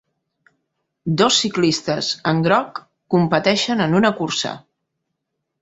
Dos ciclistes en groc competeixen en una cursa